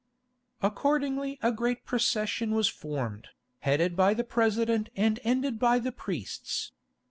Accordingly a great procession was formed, headed by the President and ended by the priests.